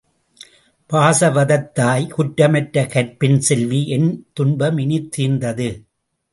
வாசவதத்தாய், குற்றமற்ற கற்பின் செல்வி என் துன்பம் இனித் தீர்ந்தது.